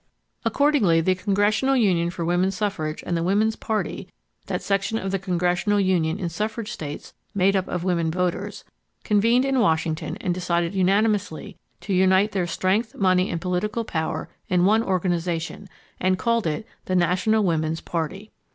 Accordingly, the Congressional Union for Woman Suffrage and the Woman's Party, that section of the Congressional Union in suffrage states made up of women voters, convened in Washington and decided unanimously to unite their strength, money and political power in one organization, and called it the National Woman's Party.